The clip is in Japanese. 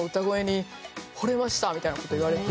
みたいな事言われて。